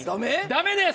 ダメです！